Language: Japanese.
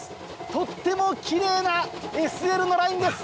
とってもキレイなＳＬのラインです！